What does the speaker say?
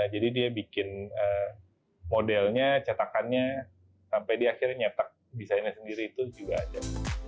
jadi dia bikin modelnya cetakannya sampai dia akhirnya nyetak desainnya sendiri itu juga ada